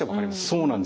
そうなんです。